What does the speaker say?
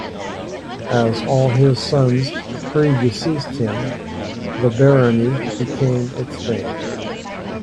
As all his sons predeceased him, the barony became extinct.